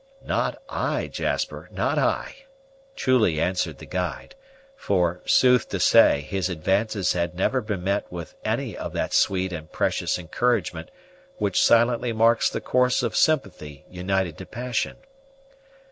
"Not I, Jasper, not I," truly answered the guide; for, sooth to say, his advances had never been met with any of that sweet and precious encouragement which silently marks the course of sympathy united to passion.